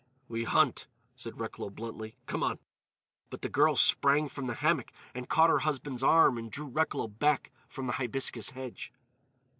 "We hunt," said Recklow bluntly. "Come on!" But the girl sprang from the hammock and caught her husband's arm and drew Recklow back from the hibiscus hedge.